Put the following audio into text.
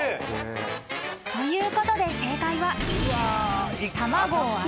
［ということで正解は］